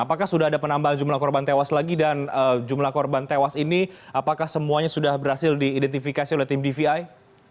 apakah sudah ada penambahan jumlah korban tewas lagi dan jumlah korban tewas ini apakah semuanya sudah berhasil diidentifikasi oleh tim dvi